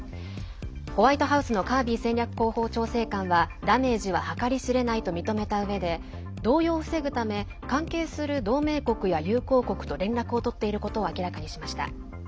ホワイトハウスのカービー戦略広報調整官はダメージは計り知れないと認めたうえで動揺を防ぐため関係する同盟国や友好国と連絡を取っていることを明らかにしました。